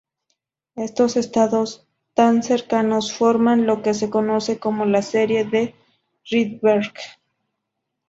Estos estados tan cercanos forman lo que se conoce como la "serie de Rydberg".